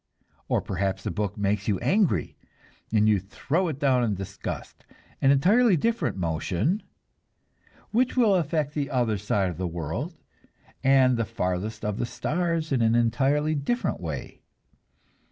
Or perhaps the book makes you angry, and you throw it down in disgust; an entirely different motion, which will affect the other side of the world and the farthest of the stars in an entirely different way.